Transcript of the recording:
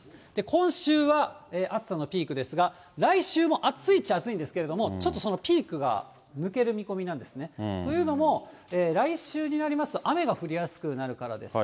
今週は暑さのピークですが、来週も暑いっちゃ暑いんですけれども、ちょっとそのピークが抜ける見込みなんですね。というのも、来週になりますと、雨が降りやすくなるからです。